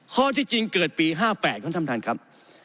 ข้อที่จริงเกิดปี๕๘ครับท่านประธานครับ